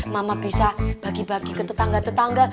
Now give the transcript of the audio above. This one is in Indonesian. mama bisa bagi bagi ke tetangga tetangga